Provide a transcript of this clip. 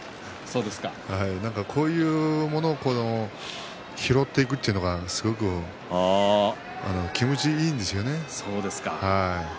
こういうものを拾っていくというのがね気持ちいいんですよね。